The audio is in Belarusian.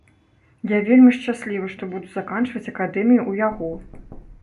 Я вельмі шчаслівы, што буду заканчваць акадэмію ў яго.